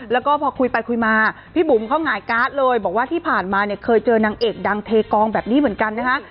แล้วก็พอคุยไปคุยมาพี่บุ๋มเขาหงายการ์ดเลยบอกว่าที่ผ่านมาเนี่ยเคยเจอนางเอกดังเทกองแบบนี้เหมือนกันนะคะ